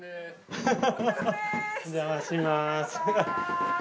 お邪魔します。